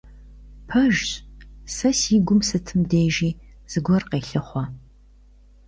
Пэжщ, сэ си гум сытым дежи зыгуэр къелъыхъуэ!